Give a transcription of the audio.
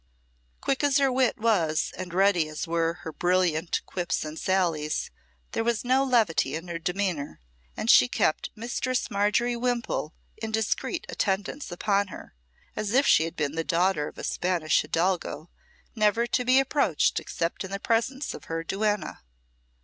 Quick as her wit was and ready as were her brilliant quips and sallies, there was no levity in her demeanour, and she kept Mistress Margery Wimpole in discreet attendance upon her, as if she had been the daughter of a Spanish Hidalgo, never to be approached except in the presence of her duenna.